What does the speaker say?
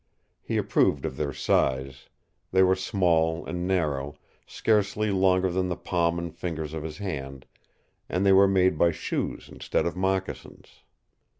He approved of their size. They were small and narrow, scarcely longer than the palm and fingers of his hand and they were made by shoes instead of moccasins.